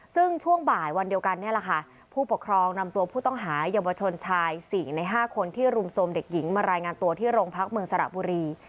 ซึ่งช่วงบ่ายวันเดียวกันนี่แหละค่ะผู้ปกครองนำตัวผู้ต้องหาเยาวชนชาย๔ใน๕คนที่รุมโทรมเด็กหญิงมารายงานตัวที่โรงพักเมืองสระบุรี